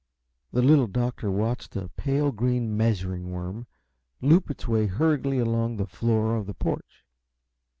The Little Doctor watched a pale green "measuring worm" loop its way hurriedly along the floor of the porch.